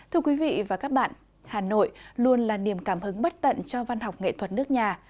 hà nội luôn là niềm cảm hứng bất tận cho văn học nghệ thuật nước nhà